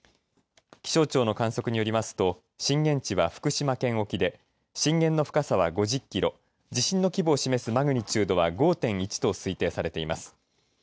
気象庁の観測によりますと震源地は福島県沖で震源の深さは５０キロ地震の規模を示すマグニチュードは５．１と推定されています。